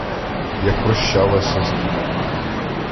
як прощалася з ним.